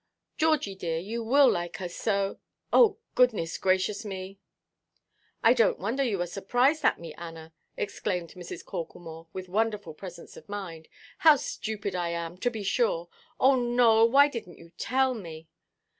Georgie, dear, you will like her so—oh, goodness gracious me!" "I donʼt wonder you are surprised at me, Anna," exclaimed Mrs. Corklemore, with wonderful presence of mind. "How stupid I am, to be sure! Oh, Nowell, why didnʼt you tell me?